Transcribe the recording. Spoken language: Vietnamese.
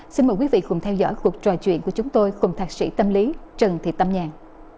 xin mời quý vị cùng theo dõi cuộc trò chuyện của chúng tôi cùng thạc sĩ tâm lý trần thị tâm nhàn